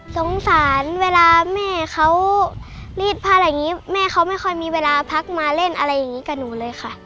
สงสารเวลาแม่เขารีดผ้าอะไรอย่างนี้แม่เขาไม่ค่อยมีเวลาพักมาเล่นอะไรอย่างนี้กับหนูเลยค่ะ